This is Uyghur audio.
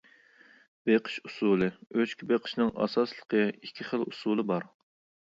بېقىش ئۇسۇلى ئۆچكە بېقىشنىڭ ئاساسلىقى ئىككى خىل ئۇسۇلى بار.